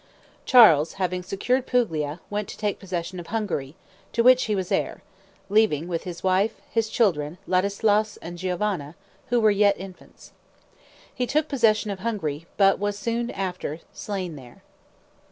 Charles, having secured Puglia, went to take possession of Hungary, to which he was heir, leaving, with his wife, his children Ladislaus and Giovanna, who were yet infants. He took possession of Hungary, but was soon after slain there.